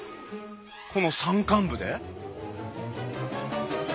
この山間部で？